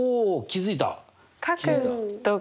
気付いた？